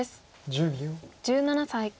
１７歳。